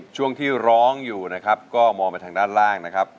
ช่วงที่ร้องอยู่นะครับก็มองไปทางด้านล่างนะครับ